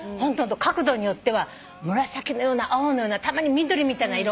角度によっては紫のような青のようなたまに緑みたいな色羽根が。